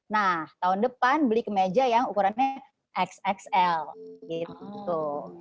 nah tahun depan beli kemeja yang ukurannya xxl gitu